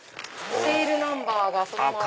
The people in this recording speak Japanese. セールナンバーがそのまま。